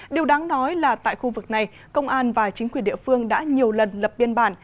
điều đáng nói là tại khu vực này công an và chính quyền địa phương đã nhiều lần lập biên bản